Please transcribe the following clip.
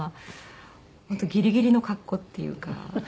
本当ギリギリの格好っていうか。